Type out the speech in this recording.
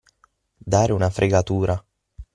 Dare una fregatura.